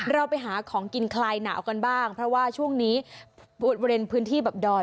เราไปหาของกินคลายหนาวกันบ้างเพราะว่าช่วงนี้บริเวณพื้นที่แบบดอย